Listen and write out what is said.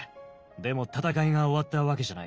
でも戦いが終わったわけじゃない。